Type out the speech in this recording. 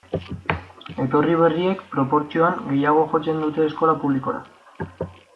Etorri berriek, proportzioan, gehiago jotzen dute eskola publikora.